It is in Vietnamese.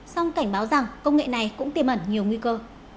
song cảnh báo rằng công nghệ này cũng tiềm ẩn nhiều nguy cơ